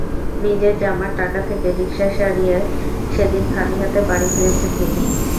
নিজের জমার টাকা থেকে রিকশা সারিয়ে সেদিন খালি হাতে বাড়ি ফিরেছেন তিনি।